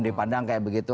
dipandang kayak begitu